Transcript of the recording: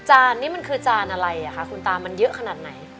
จานนี้มันคือจานอะไรคะคุณตามันเยอะขนาดไหน